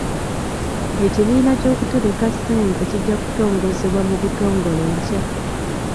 Ekibiina ky'okutereka ssente kijja kutongozebwa mu butongole enkya.